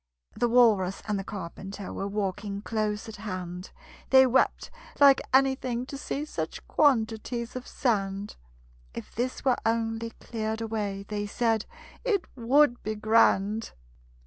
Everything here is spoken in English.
The Walrus and the Carpenter Were walking close at hand; They wept like anything to see Such quantities of sand: "If this were only cleared away," They said, "It would be grand!"